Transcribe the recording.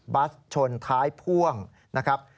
บัสชนท้ายพ่วงนะครับ